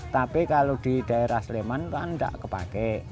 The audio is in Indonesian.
tapi kalau di daerah sleman kan tidak kepake